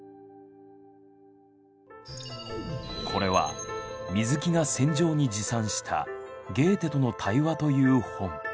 これは水木が戦場に持参した「ゲーテとの対話」という本。